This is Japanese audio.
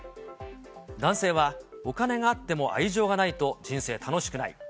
男性は、お金があっても愛情がないと人生楽しくない。